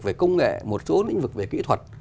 về công nghệ một số lĩnh vực về kỹ thuật